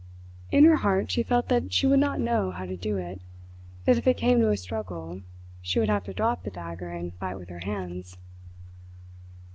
In her heart she felt that she would not know how to do it; that if it came to a struggle, she would have to drop the dagger and fight with her hands.